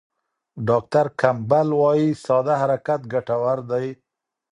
ډاکټر کمپبل وايي ساده حرکت ګټور دی.